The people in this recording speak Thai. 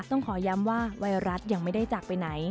ต้องขอย้ำว่าไวรัสยังไม่ได้จากไปไหน